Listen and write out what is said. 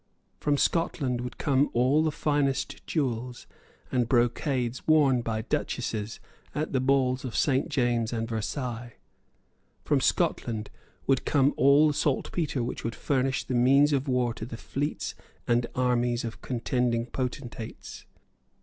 From Scotland would come all the finest jewels and brocade worn by duchesses at the balls of St. James's and Versailles. From Scotland would come all the saltpetre which would furnish the means of war to the fleets and armies of contending potentates.